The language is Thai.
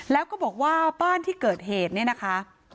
แล้วก็บอกว่าบ้านที่เกิดเหตุเนี่ยนะคะ